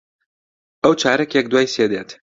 ئەو چارەکێک دوای سێ دێت.